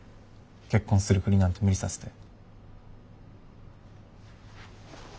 結婚するふりなんて無理させて。